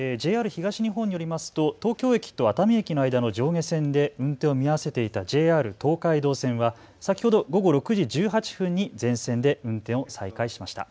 ＪＲ東日本によりますと東京駅と熱海駅の間の上下線で運転を見合わせていたＪＲ東海道線は先ほど午後６時１８分に全線で運転を再開しました。